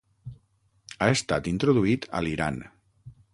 Ha estat introduït a l'Iran.